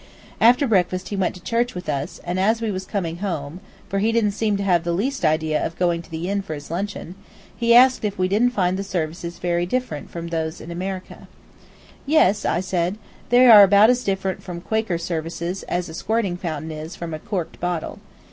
After breakfast he went to church with us, and as we was coming home for he didn't seem to have the least idea of going to the inn for his luncheon he asked if we didn't find the services very different from those in America. "Yes," said I, "they are about as different from Quaker services as a squirting fountain is from a corked bottle.